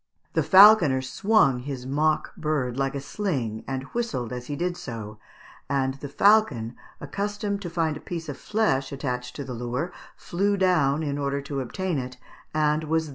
The falconer swung his mock bird like a sling, and whistled as he did so, and the falcon, accustomed to find a piece of flesh attached to the lure, flew down in order to obtain it, and was thus secured.